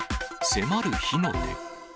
迫る火の手。